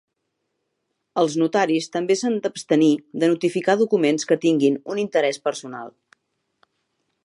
Els notaris també s'han d'abstenir de notificar documents que tinguin un interès personal.